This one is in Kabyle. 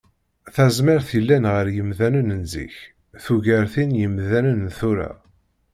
Tazmert yellan ɣer yemdanen n zik, tugart tin n yemdanen n tura